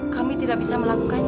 kami tidak bisa melakukan